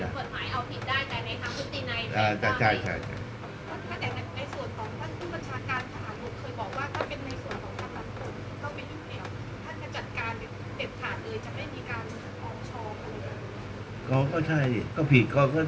ในส่วนของผู้ประชาการสหมักเคยบอกว่าถ้าเป็นในส่วนของการบันกลม